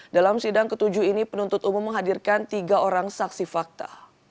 dalam sidang ketujuh ini penuntut umum menghadirkan tiga orang saksi fakta